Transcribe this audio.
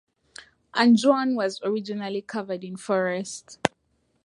Anjouan was originally covered in forest.